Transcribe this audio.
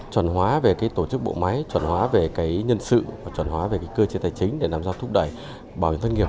chuẩn hóa về tổ chức bộ máy chuẩn hóa về nhân sự và chuẩn hóa về cơ chế tài chính để làm sao thúc đẩy bảo hiểm thất nghiệp